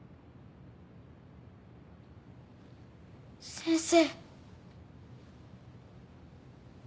先生。